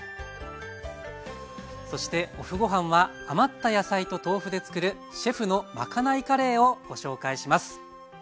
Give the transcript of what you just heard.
そしてＯＦＦごはんは余った野菜と豆腐でつくるシェフのまかないカレーをご紹介します。